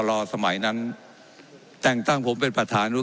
เจ้าหน้าที่ของรัฐมันก็เป็นผู้ใต้มิชชาท่านนมตรี